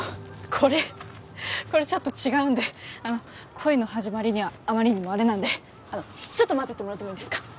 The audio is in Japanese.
これこれちょっと違うんで恋の始まりにはあまりにもあれなんでちょっと待っててもらってもいいですか？